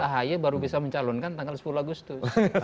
apalagi ahi baru bisa mencalon kan tanggal sepuluh agustus